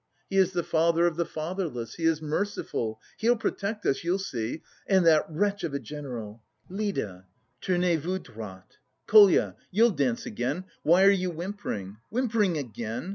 He is the father of the fatherless, he is merciful, he'll protect us, you'll see, and that wretch of a general.... Lida, tenez vous droite! Kolya, you'll dance again. Why are you whimpering? Whimpering again!